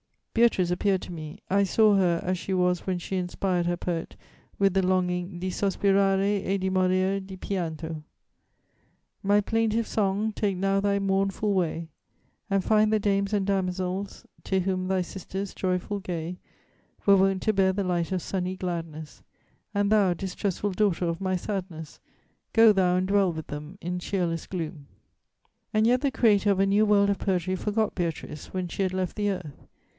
"Beatrice appeared to me; I saw her as she was when she inspired her poet with the longing di sospirare e di morir di pianto: My plaintive song, take now thy mournful way, And find the dames and damosels, to whom Thy sisters, joyful gay, Were wont to bear the light of sunny gladness, And thou, distressful daughter of my sadness, Go thou and dwell with them in cheerless gloom! "And yet the creator of a new world of poetry forgot Beatrice when she had left the earth!